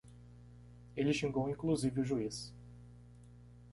Ele xingou inclusive o juiz